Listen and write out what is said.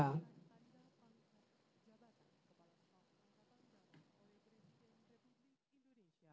keputusan presiden jenderal tni maruli simanjuntak msc